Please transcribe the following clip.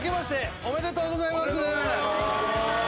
おめでとうございます。